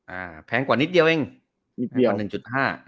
แพงกว่านิดเดียวเองนิดเดียวหนึ่งจุดห้า